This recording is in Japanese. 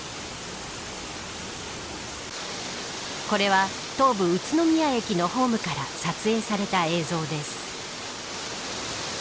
これは、東武宇都宮駅のホームから撮影された映像です。